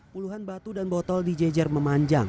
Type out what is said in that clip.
puluhan batu dan botol dijejer memanjang